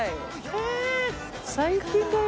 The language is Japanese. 最近だよ